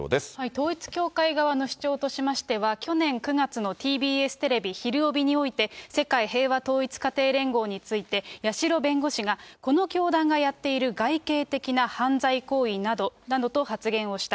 統一教会側の主張としましては、去年９月のＴＢＳテレビ、ひるおびにおいて、世界平和統一家庭連合について、八代弁護士がこの教団がやっている外形的な犯罪行為などと発言をした。